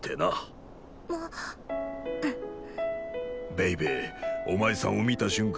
ベイベーお前さんを見た瞬間